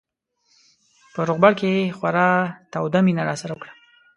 په روغبړ کې یې خورا توده مینه راسره وکړه.